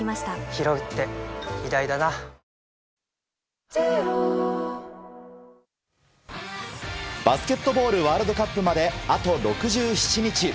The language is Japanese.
ひろうって偉大だなバスケットボールワールドカップまであと６７日。